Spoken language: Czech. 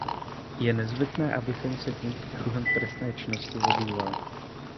Je nezbytné, abychom se tímto druhem trestné činnosti zabývali.